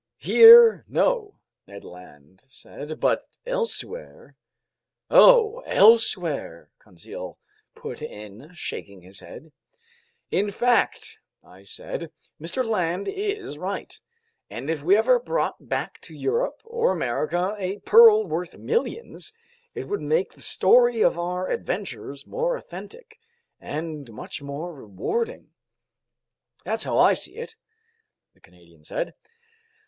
"Here, no," Ned Land said. "But elsewhere. ..." "Oh! Elsewhere!" Conseil put in, shaking his head. "In fact," I said, "Mr. Land is right. And if we ever brought back to Europe or America a pearl worth millions, it would make the story of our adventures more authentic—and much more rewarding." "That's how I see it," the Canadian said.